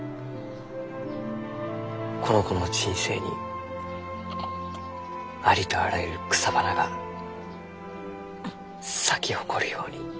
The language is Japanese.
この子の人生にありとあらゆる草花が咲き誇るように。